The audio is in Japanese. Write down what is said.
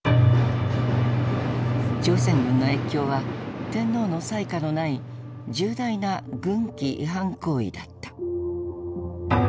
朝鮮軍の越境は天皇の裁可のない重大な軍紀違反行為だった。